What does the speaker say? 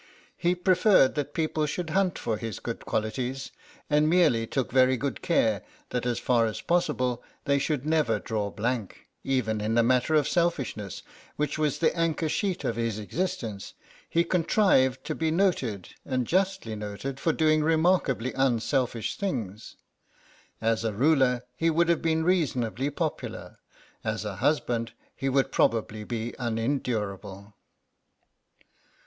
He preferred that people should hunt for his good qualities, and merely took very good care that as far as possible they should never draw blank; even in the matter of selfishness, which was the anchor sheet of his existence, he contrived to be noted, and justly noted, for doing remarkably unselfish things. As a ruler he would have been reasonably popular; as a husband he would probably be unendurable.